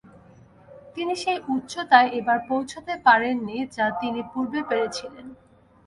তিনি সেই উচ্চতায় এবার পৌছতে পারেননি যা তিনি পুর্বে পেরেছিলেন।